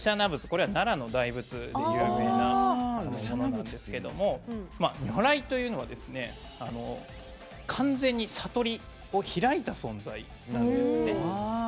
これは奈良の大仏で有名なものなんですけども如来というのは、完全に悟りを開いた存在なんですね。